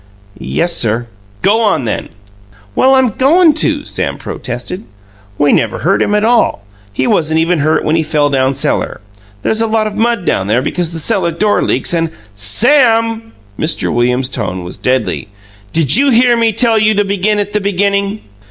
"Yes, sir." "Go on, then!" "Well, I'm goin' to," Sam protested. "We never hurt him at all. He wasn't even hurt when he fell down cellar. There's a lot of mud down there, because the cellar door leaks, and " "Sam!" Mr. Williams's tone was deadly. "Did you hear me tell you to begin at the beginning?"